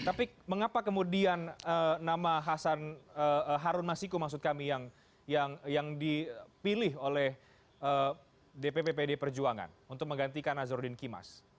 tapi mengapa kemudian nama harun masiku yang dipilih oleh dpp pd perjuangan untuk menggantikan azordin kimas